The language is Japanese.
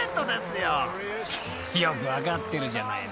［よく分かってるじゃないの。